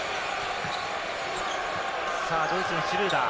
ドイツのシュルーダー。